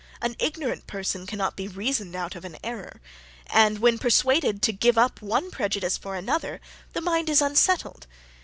An ignorant person cannot be reasoned out of an error, and when persuaded to give up one prejudice for another the mind is unsettled.